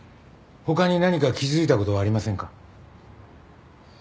他に何か気づいた事はありませんか？